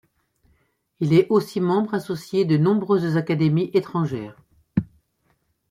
Il est aussi membre associé de nombreuses académies étrangères.